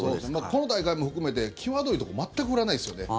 この大会も含めて際どいところ全く振らないですよね。